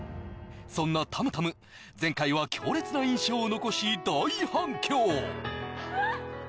そんなたむたむ前回は強烈な印象を残し大反響